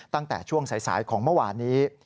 ตั้งแต่ช่วงสายของเมื่อวานนี้